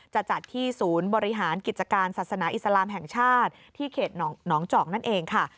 จะจัดที่ศูนย์บริหารกิจการศาสนาอิสลามแห่งชาติที่เขตหนองจอกนั่นเองค่ะ